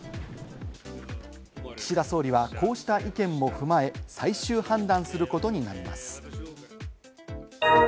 岸田総理はこうした意見も踏まえ、最終判断することになります。